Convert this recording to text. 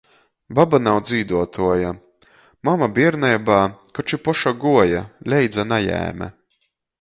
Baba nav dzīduotuoja, mama bierneibā, koč i poša guoja, leidza najēme.